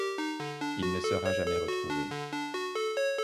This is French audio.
Il ne sera jamais retrouvé.